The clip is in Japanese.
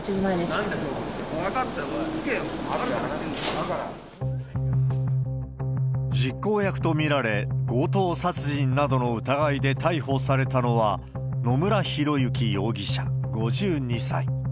捜査員によって、分かった、落ち着けよ、分か実行役と見られ、強盗殺人などの疑いで逮捕されたのは、野村広之容疑者５２歳。